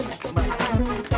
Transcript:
yang sampai gue duluan